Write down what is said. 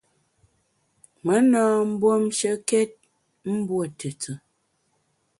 Me na mbuomshekét mbuo tùtù.